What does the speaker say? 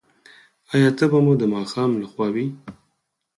ایا تبه مو د ماښام لخوا وي؟